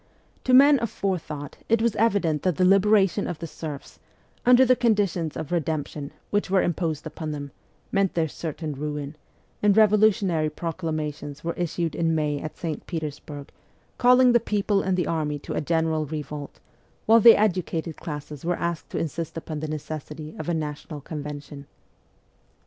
To men of fore thought it was evident that the liberation of the serfs, under the conditions of redemption which were imposed upon them, meant their certain ruin, and revolutionary proclamations were issued in May at St. Petersburg calling the people and the army to a general revolt, while the educated classes were asked to insist upon the necessity of a National Convention.